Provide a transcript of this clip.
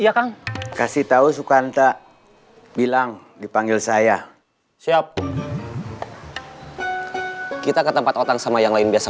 iya kang kasih tau sukanta bilang dipanggil saya siap kita ke tempat otak sama yang lain biasa